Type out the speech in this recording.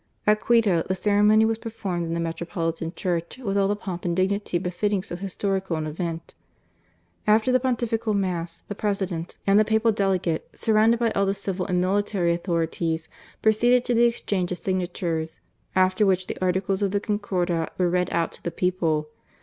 At Quito the ceremony was performed in the metropolitan church with all the pomp and dignity befitting so historical an event. After the Pontifical Mass, the President and the Papal Delegate, surrounded by all the civil and military authorities, proceeded to the exchange of signatures, after which the articles of the Concordat were read out to the people.